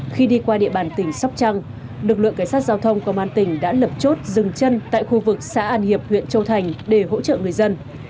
khi đi qua địa bàn tỉnh sóc trăng lực lượng cảnh sát giao thông công an tỉnh đã lập chốt dừng chân tại khu vực xã an hiệp huyện châu thành để hỗ trợ người dân